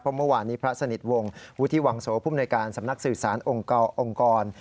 เมื่อวานนี้พระสนิทวงศ์วุฒิวังโสภูมิในการสำนักสื่อสารองค์กร